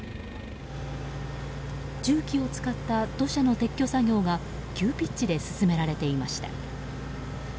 重機を使った土砂の撤去作業が急ピッチで進められていました。